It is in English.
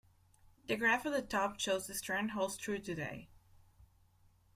The graph at the top shows this trend holds true today.